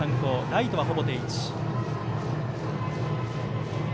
ライトは、ほぼ定位置。